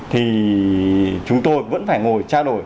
thì chúng tôi vẫn phải ngồi trao đổi